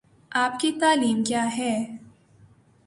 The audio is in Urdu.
آپ کی تعلیم کیا ہے ؟